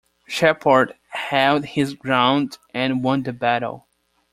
Shepard held his ground and won the battle.